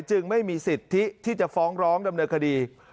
จึงไม่มีสิทธิที่จะฟ้องร้องดำเนินคดี